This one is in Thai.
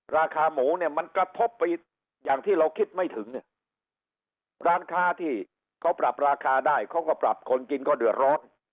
ราคาหมูเนี่ยมันกระทบไปอย่างที่เราคิดไม่ถึงเนี่ยร้านค้าที่เขาปรับราคาได้เขาก็ปรับคนกินก็เดือดร้อน